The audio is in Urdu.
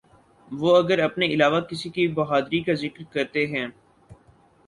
وہ اگر اپنے علاوہ کسی کی بہادری کا ذکر کرتے ہیں۔